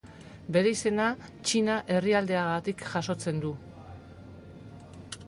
Bere izena Txina herrialdeagatik jasotzen du.